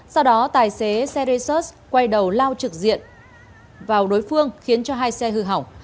sau đó tài xế xe resus quay đầu lao trực diện vào đối phương khiến cho hai xe hư hỏng